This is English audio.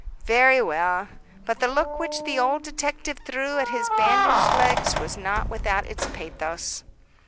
"Very well." But the look which the old detective threw at his bandaged legs was not without its pathos.